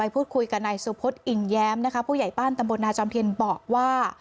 พูดคุยกับนายสุพธิ์อิ่งแย้มนะคะผู้ใหญ่บ้านตำบลนาจอมเทียนบอกว่า